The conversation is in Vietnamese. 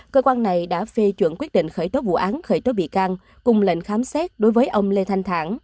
cơ quan này đã phê chuẩn quyết định khởi tố vụ án khởi tố bị can cùng lệnh khám xét đối với ông lê thanh thản